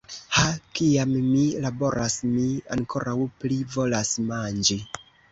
Ha, kiam mi laboras, mi ankoraŭ pli volas manĝi.